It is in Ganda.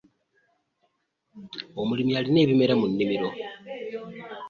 Omulimi alima ebimera mu nnimiro .